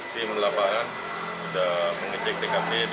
di melapangan sudah mengecek dengan beda